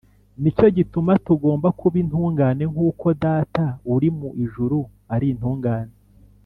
nicyo gituma tugomba kuba intungane nk’uko data “uri mu ijuru ari intungane